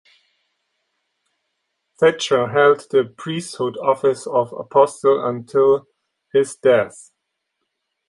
Thatcher held the priesthood office of apostle until his death.